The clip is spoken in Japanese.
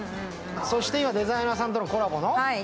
そして今、デザイナーさんとのコラボの。